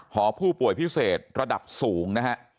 หอผู้ป่วยพิเศษระดับสูงนะฮะ